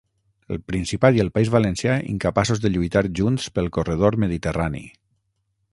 El Principat i el País Valencià incapaços de lluitar junts pel corredor mediterrani